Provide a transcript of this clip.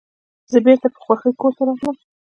زه بیرته په خوښۍ کور ته راغلم.